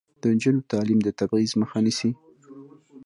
د نجونو تعلیم د تبعیض مخه نیسي.